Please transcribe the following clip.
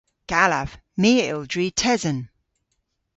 Gallav. My a yll dri tesen.